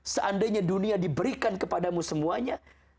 seandainya dunia diberikan kepadamu semuanya